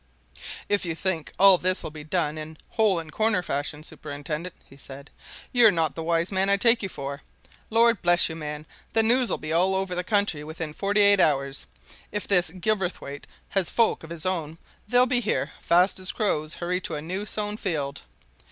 "If you think all this'll be done in hole and corner fashion, superintendent," he said, "you're not the wise man I take you for. Lord bless you, man, the news'll be all over the country within forty eight hours! If this Gilverthwaite has folk of his own, they'll be here fast as crows hurry to a new sown field!